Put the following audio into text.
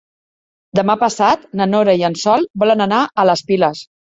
Demà passat na Nora i en Sol volen anar a les Piles.